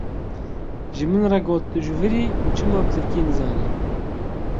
Ji min re got tu ji vir î û çima bi tirkî nizanî.